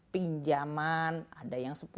pinjaman ada yang